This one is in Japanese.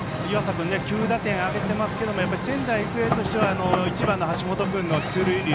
君９打点挙げてますけど仙台育英としては１番の橋本君の出塁率。